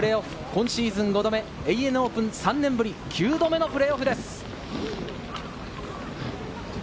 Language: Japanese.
今シーズン５度目、ＡＮＡオープン３年ぶり、９度目のプレーオフです。